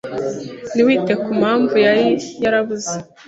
ntiwite ku mpamvu yari yarabuze